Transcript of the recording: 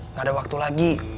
nggak ada waktu lagi